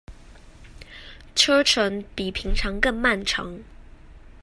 車程比平常更漫長